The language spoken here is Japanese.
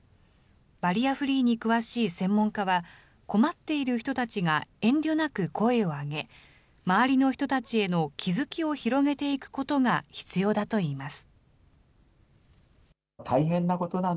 バリアフリーに詳しい専門家は、困っている人たちが遠慮なく声を上げ、周りの人たちへの気付きを広げていくことが必要だといいます。